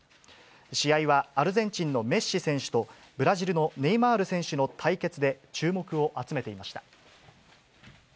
試合はアルゼンチンのメッシ選手と、ブラジルのネイマール選手の対決で注目を集めていました。